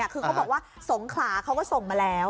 คือเขาบอกว่าสงขลาเขาก็ส่งมาแล้ว